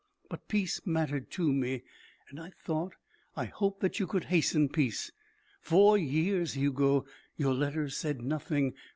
But peace mattered to me, and I thought I hoped that you could hasten peace. Four years, Hugo. Your letters said nothing.